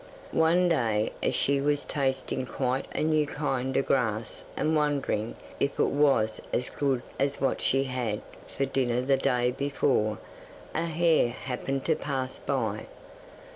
'One day as she was tasting quite a new kind of grass and wondering if it was as good as what she had had for dinner the day before, a hare happened to pass by.